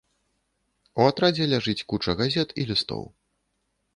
У атрадзе ляжыць куча газет і лістоў.